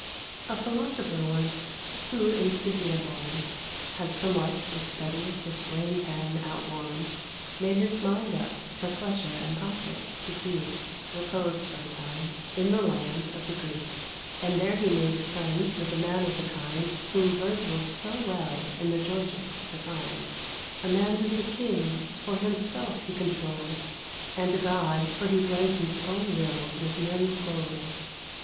A Philosopher once, who, in Scythia born, Had somewhat, with study, his brain pan outworn, Made his mind up, for pleasure and profit, to seek Repose for a time in the land of the Greek; And there he made friends with a man of the kind Whom Virgil so well in the Georgics defined: A man who's a king, for himself he controls, And a god, for he blends his own will with men's souls.